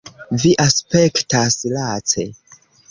Vi aspektas lace.